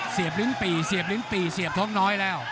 เสียบลิ้งปี่เสียบลิ้งปี่เสียบท็อกน้อยแล้ว